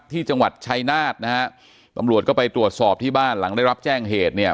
ที่จังหวัดชัยนาฏนะฮะตำรวจก็ไปตรวจสอบที่บ้านหลังได้รับแจ้งเหตุเนี่ย